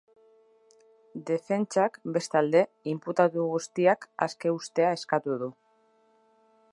Defentsak, bestalde, inputatu guztiak aske uztea eskatu du.